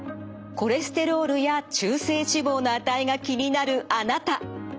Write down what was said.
コレステロールや中性脂肪の値が気になるあなた！